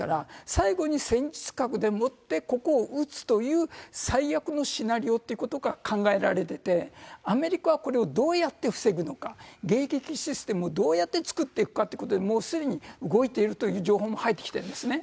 最後に戦術核でもって、ここを撃つという最悪のシナリオっていうことが考えられてて、アメリカはこれをどうやって防ぐのか、迎撃システムをどうやって作っていくかってことで、もうすでに動いているっていう情報も入ってきてるんですね。